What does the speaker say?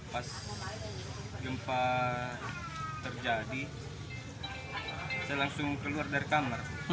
pas gempa terjadi saya langsung keluar dari kamar